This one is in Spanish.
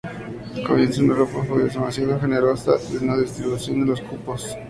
Al comienzo, Europa fue demasiado generosa en la distribución de los cupos.